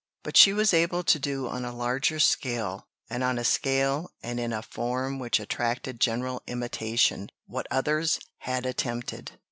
But she was able to do on a larger scale, and on a scale and in a form which attracted general imitation, what others had attempted.